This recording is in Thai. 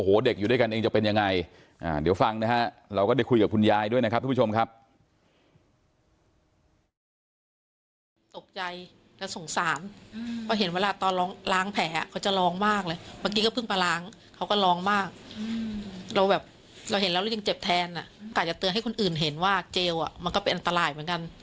โอ้โหเด็กอยู่ด้วยกันเองจะเป็นยังไงเดี๋ยวฟังนะฮะเราก็ได้คุยกับคุณยายด้วยนะครับทุกผู้ชมครับ